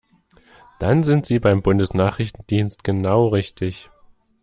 Dann sind Sie beim Bundesnachrichtendienst genau richtig!